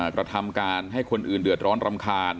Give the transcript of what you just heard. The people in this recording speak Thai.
กระทำการให้คนอื่นเดือดร้อนรำคาญ